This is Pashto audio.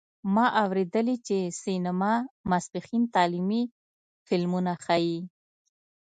ما اوریدلي چې سینما ماسپښین تعلیمي فلمونه ښیې